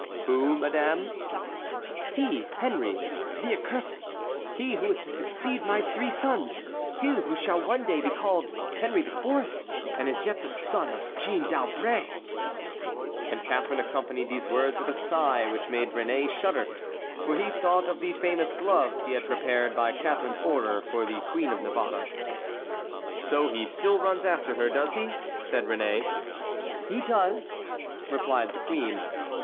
"Who, madame?" "He, Henry, the accursed,—he who is to succeed my three sons,—he who shall one day be called Henry IV., and is yet the son of Jeanne d'Albret." And Catharine accompanied these words with a sigh which made Réné shudder, for he thought of the famous gloves he had prepared by Catharine's order for the Queen of Navarre. "So he still runs after her, does he?" said Réné. "He does," replied the queen.